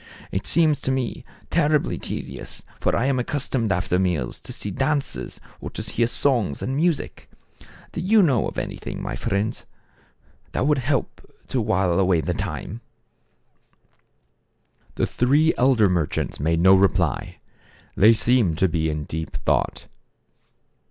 It seems to me terribly tedious ; for I am accustomed after meals, to see dances or to hear songs and music. Do you know of anything, my friends, that would help to while away the time ?" 86 THE CAB AVAN. The three elder merchants made no reply ; they seemed to be in deep thought.